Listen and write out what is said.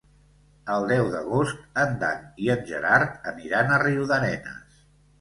El deu d'agost en Dan i en Gerard aniran a Riudarenes.